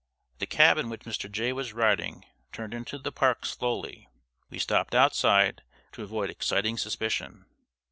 The cab in which Mr. Jay was riding turned into the Park slowly. We stopped outside, to avoid exciting suspicion.